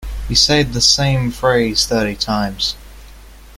He said the same phrase thirty times.